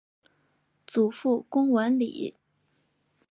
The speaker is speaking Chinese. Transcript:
祖父龚文礼。